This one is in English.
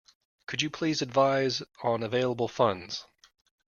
Could you please advise on available funds?